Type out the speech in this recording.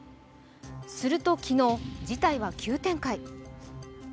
すると昨日、事態は急展開。